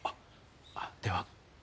では。